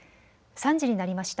３時になりました。